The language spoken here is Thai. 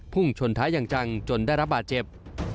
พุ่งชนท้ายังจังจนได้รับบาดเจ็บ